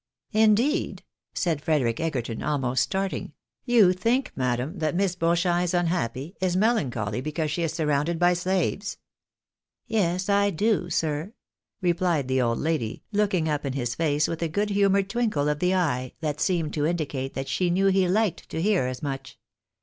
" Indeed? " said Frederic Egerton, almost starting ;" you think, madam, that Miss Beauchamp is unhappy, is melancholy, because she is surrounded by slaves? " "Yes, I do, sir," rephed the old lady, looking up in his face with a good humoured twinkle of the eye, that seemed to indicate that she knew he liked to hear as much.